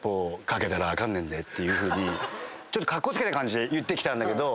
ちょっとカッコつけた感じで言ってきたんだけど。